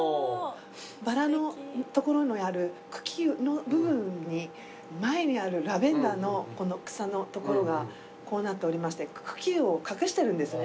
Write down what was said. バラのところにある茎の部分に前にあるラベンダーの草のところがこうなっておりまして茎を隠してるんですね。